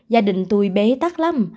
gia đình tôi bế tắc lắm